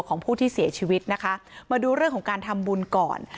ของผู้ที่เสียชีวิตนะคะมาดูเรื่องของการทำบุญก่อน